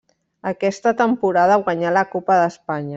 Aquesta temporada guanyà la Copa d'Espanya.